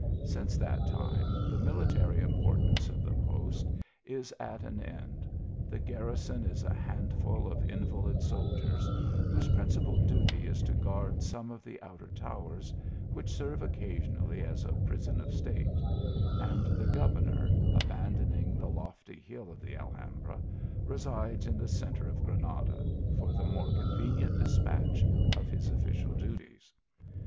Since that time, the mili tary importance of the post is at an end. The gar rison is a handful of invalid soldiers, whose princi pal duty is U guard some of the outer towers, which serve, occasionally, as a prison of state ; and 80 THE ALHAMBRA. the governor, abandoning the lofty hill of the Alham bra, resides in the centre of Granada, for the more convenient despatch of his official duties.